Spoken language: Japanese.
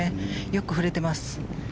よく振れています。